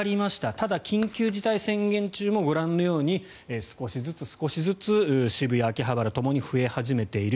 ただ、緊急事態宣言中もご覧のように少しずつ少しずつ渋谷、秋葉原ともに増え始めている。